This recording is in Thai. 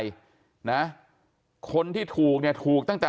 ความปลอดภัยของนายอภิรักษ์และครอบครัวด้วยซ้ำ